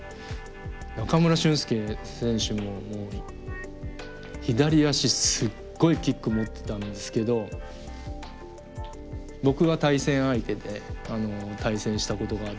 中村俊輔選手ももう左足すっごいキック持ってたんですけど僕は対戦相手で対戦したことがあって。